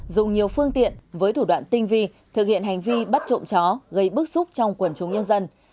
dùng nhiều phương tiện với thủ đoạn tinh vi thực hiện hành vi bắt trộm chó gây bức xúc trong quần chúng nhân dân